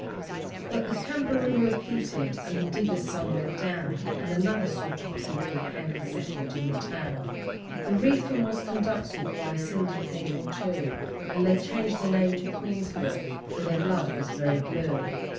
But the Cambaroora petered, and the diggers' sun went down, And another sort of people came and settled in the town; The reefing was conducted by a syndicate or two, And they changed the name to 'Queensville', for their blood was very blue.